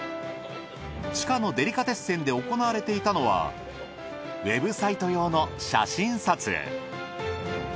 地下のデリカテッセンで行われていたのはウェブサイト用の写真撮影。